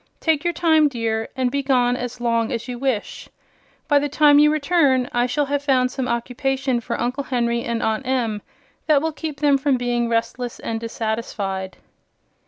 Take your time, dear, and be gone as long as you wish. By the time you return I shall have found some occupation for Uncle Henry and Aunt Em that will keep them from being restless and dissatisfied."